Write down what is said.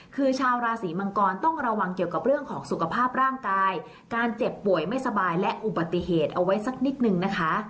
คือชาวราศีมังกรต้องระวังเกี่ยวกับเรื่องของสุขภาพร่างกายการเจ็บป่วยไม่สบายและอุบัติเหตุเอาไว้สักนิดนึงนะคะ